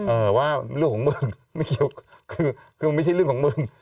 เออว่าเรื่องของมึงไม่เกี่ยวคือคือมันไม่ใช่เรื่องของมึง